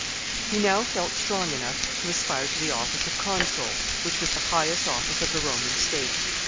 ] He now felt strong enough to aspire to the office of consul, which was the highest office of the Roman state.